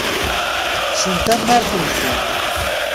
Kksen tamart-nsen.